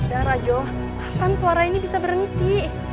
dara joh kapan suara ini bisa berhenti